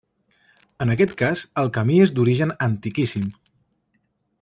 En aquest cas, el camí és d'origen antiquíssim.